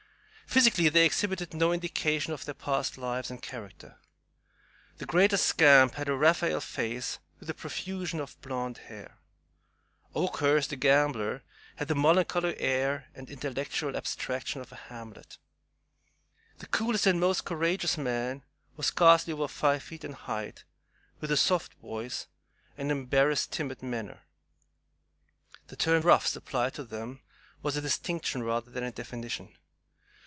Physically they exhibited no indication of their past lives and character. The greatest scamp had a Raphael face, with a profusion of blonde hair; Oakhurst, a gambler, had the melancholy air and intellectual abstraction of a Hamlet; the coolest and most courageous man was scarcely over five feet in height, with a soft voice and an embarrassed, timid manner. The term "roughs" applied to them was a distinction rather than a definition.